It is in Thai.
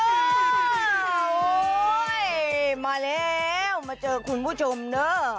โอ้โหมาแล้วมาเจอคุณผู้ชมเนอะ